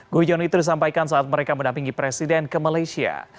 guyon itu disampaikan saat mereka menampingi presiden ke malaysia